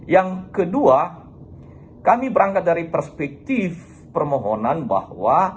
yang kedua kami berangkat dari perspektif permohonan bahwa